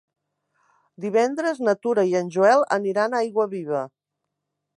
Divendres na Tura i en Joel aniran a Aiguaviva.